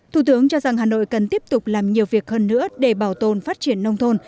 thủ tướng cho rằng hà nội cần tiếp tục làm nhiều việc hơn nữa để bảo tồn phát triển nông thôn